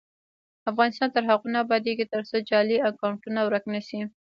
افغانستان تر هغو نه ابادیږي، ترڅو جعلي اکونټونه ورک نشي.